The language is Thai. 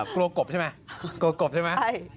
กบใช่ไหมกลัวกบใช่ไหม